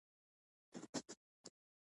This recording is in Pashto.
ګلونه د نبات د تکثیر وسیله ده